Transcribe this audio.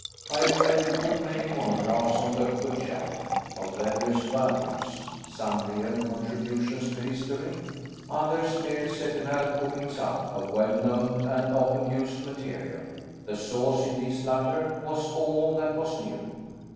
I read a good many monographs on the Pucelle, of various values; some real contributions to history, others mere second hand cookings up of well known and often used material. The sauce in these latter was all that was new.